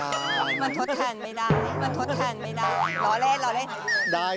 เอาไว้ทดแข่งกันไม่ได้